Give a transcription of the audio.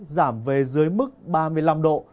giảm về dưới mức ba mươi năm độ